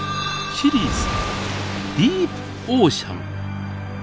シリーズ「ディープオーシャン」。